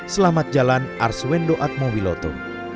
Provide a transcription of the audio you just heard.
selamat jalan arswendo atmowiloto